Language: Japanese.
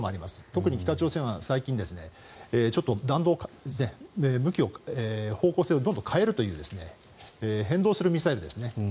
特に北朝鮮は最近、向きの方向性をどんどん変えるという変動するミサイルですね